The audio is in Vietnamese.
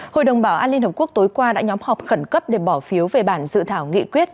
hội đồng bảo an liên hợp quốc tối qua đã nhóm họp khẩn cấp để bỏ phiếu về bản dự thảo nghị quyết